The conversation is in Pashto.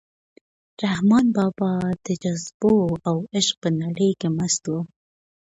رحمان بابا د جذبو او عشق په نړۍ کې مست و.